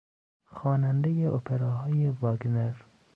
خوانندهی اپراهای واگنر